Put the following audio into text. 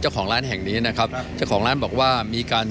เจ้าของร้านแห่งนี้นะครับเจ้าของร้านบอกว่ามีการ